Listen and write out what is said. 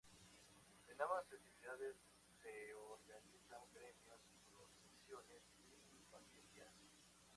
En ambas festividades se organizan gremios, procesiones y vaquerías.